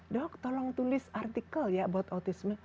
dok tolong tulis artikel ya about autism